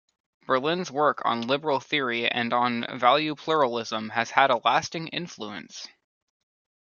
Berlin's work on liberal theory and on value pluralism has had a lasting influence.